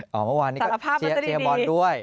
เมื่อวานนี้ก็เชียร์บอลด้วย